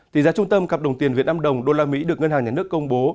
tỷ giá trung tâm cặp đồng tiền việt nam đồng usd được ngân hàng nhà nước công bố